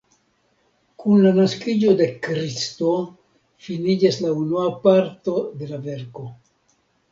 Kun la naskiĝo de Kristo finiĝas la unua parto de la verko.